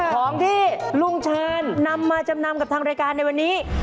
ของที่ลุงเชิญนำมาจำนำกับทางรายการในวันนี้